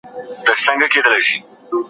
سوداګري له احساساتو سره نه کېږي.